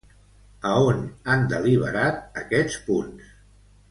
A on han deliberat aquests punts?